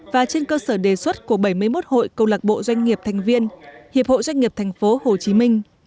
và trên cơ sở đề xuất của bảy mươi một hội công lạc bộ doanh nghiệp thành viên hiệp hội doanh nghiệp tp hcm